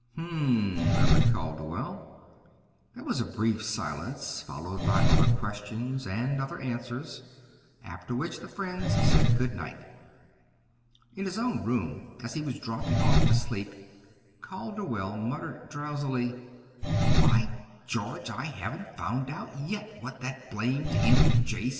"Hm m," murmured Calderwell. There was a brief silence, followed by other questions and other answers; after which the friends said good night. In his own room, as he was dropping off to sleep, Calderwell muttered drowsily: "By George! I haven't found out yet what that blamed 'M. J.'